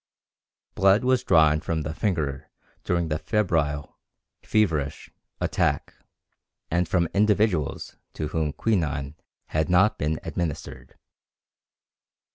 Blood was drawn from the finger during the febrile [feverish] attack and from individuals to whom quinine had not been administered.